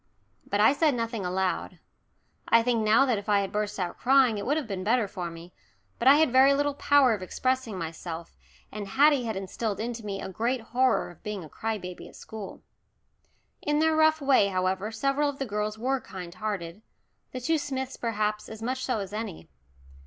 But I said nothing aloud. I think now that if I had burst out crying it would have been better for me, but I had very little power of expressing myself, and Haddie had instilled into me a great horror of being a cry baby at school. In their rough way, however, several of the girls were kind hearted, the two Smiths perhaps as much so as any.